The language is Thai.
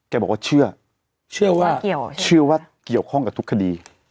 แกบอกว่าเชื่อเชื่อว่าเชื่อว่าเกี่ยวข้องกับทุกคดี